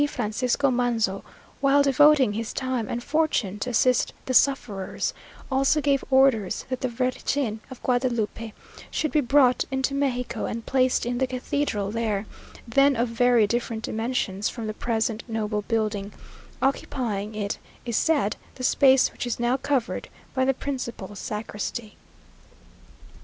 Francisco Manzo, while devoting his time and fortune to assist the sufferers, also gave orders that the Virgin of Guadalupe should be brought into Mexico, and placed in the cathedral there, then of very different dimensions from the present noble building, occupying, it is said, the space which is now covered by the principal sacristy.